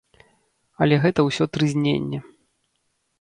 Але гэта ўсё трызненне.